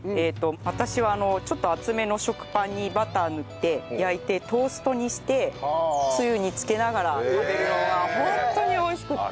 私はちょっと厚めの食パンにバター塗って焼いてトーストにしてつゆに付けながら食べるのがホントに美味しくて。